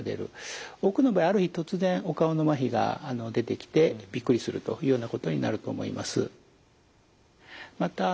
多くの場合ある日突然お顔のまひが出てきてびっくりするというようなことになると思います。